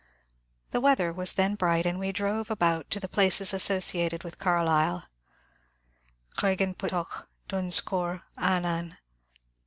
The weather was then bright, and we drove about to the places associated with Car lyle,— Craigenputtoch, Dunscore, Annan.